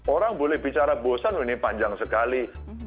orang boleh bicara bosan ini panjang sekali